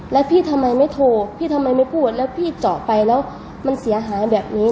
แล้วพี่ทำไมไม่โทรพี่ทำไมไม่พูดแล้วพี่เจาะไปแล้วมันเสียหายแบบนี้